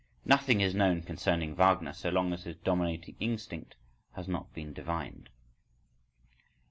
Nothing is known concerning Wagner, so long as his dominating instinct has not been divined.